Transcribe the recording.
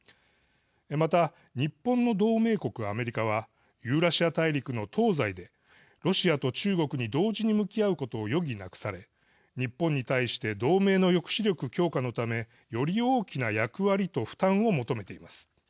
また、日本の同盟国アメリカはユーラシア大陸の東西でロシアと中国に同時に向き合うことを余儀なくされ、日本に対して同盟の抑止力強化のためより大きな役割と負担を求めています。